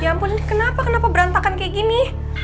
ya ampun kenapa kenapa berantakan kayak gini